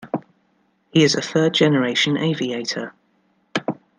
He is a third generation aviator.